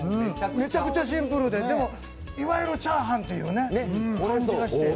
めちゃくちゃシンプルででも、いわゆるチャーハンっていう感じがして。